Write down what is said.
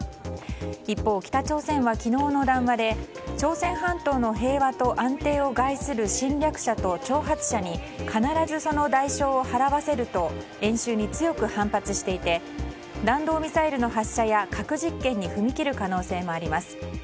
一方、北朝鮮は昨日の談話で朝鮮半島の平和と安定を害する侵略者と挑発者に必ずその代償を払わせると演習に強く反発していて弾道ミサイルの発射や核実験に踏み切る可能性もあります。